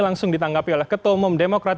langsung ditanggapi oleh ketua umum demokrat